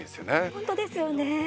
本当ですよね。